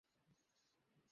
আমি তোমাকে পরে ফোন করছি।